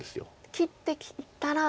切ってきたら。